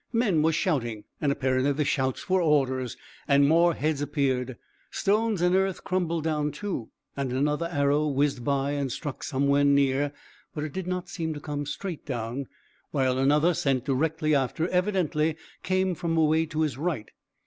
Men were shouting, and apparently the shouts were orders, and more heads appeared. Stones and earth crumbled down too, and another arrow whizzed by and struck somewhere near; but it did not seem to come straight down, while another sent directly after evidently came from away to his right.